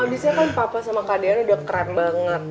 abisnya kan papa sama kak dian udah keren banget